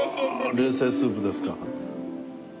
冷製スープですか。